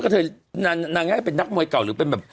เธอนางง่ายเป็นนักมวยเก่าหรือเป็นแบบ